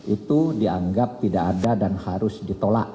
itu dianggap tidak ada dan harus ditolak